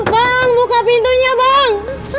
bang buka pintunya bang